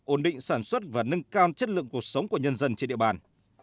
ổn định sản xuất và nâng cao chất lượng cuộc sống của nhân dân trên địa bàn